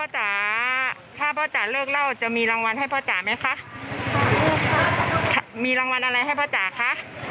จ๋าถ้าพ่อจ๋าเลิกเล่าจะมีรางวัลให้พ่อจ๋าไหมคะมีรางวัลอะไรให้พ่อจ๋าคะ